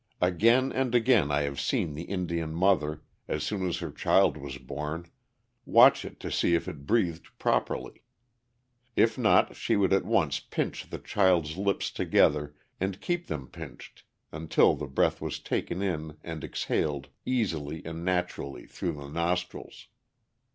Again and again I have seen the Indian mother, as soon as her child was born, watch it to see if it breathed properly. If not, she would at once pinch the child's lips together and keep them pinched until the breath was taken in and exhaled easily and naturally through the nostrils.